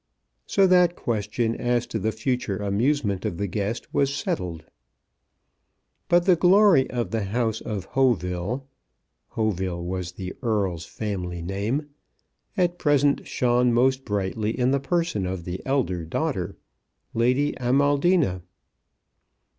So that question as to the future amusement of the guest was settled. But the glory of the house of Hauteville, Hauteville was the Earl's family name, at present shone most brightly in the person of the eldest daughter, Lady Amaldina.